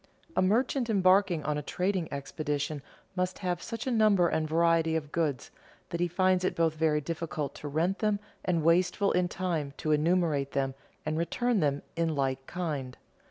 A merchant embarking on a trading expedition must have such a number and variety of goods, that he finds it both very difficult to rent them and wasteful in time to enumerate them and return them in like kind.